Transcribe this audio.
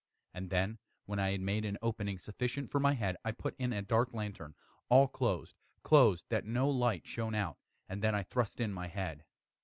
And then, when I had made an opening sufficient for my head, I put in a dark lantern, all closed, closed, that no light shone out, and then I thrust in my head.